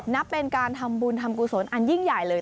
นับเป็นการทำบุญทำกุศลอันยิ่งใหญ่เลย